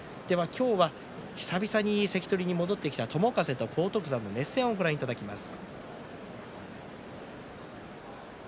今日は久々に関取に戻ってきた友風と荒篤山の熱戦をご覧いただきます。